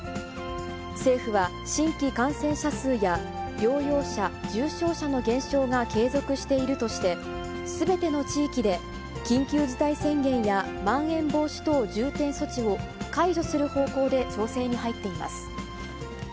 政府は新規感染者数や、療養者、重症者の減少が継続しているとして、すべての地域で、緊急事態宣言やまん延防止等重点措置を解除する方向で調整に入っています。